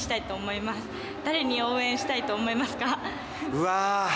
うわ。